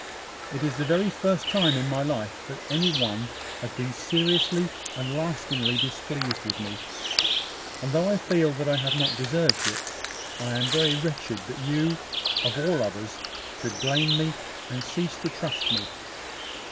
It is the first time in my life that any one has been seriously and lastingly displeased with me; and, though I feel that I have not deserved it, I am very wretched that you, of all others, should blame me, and cease to trust me.